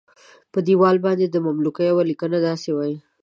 په دیوال باندې د مملوک یوه لیکنه داسې وایي.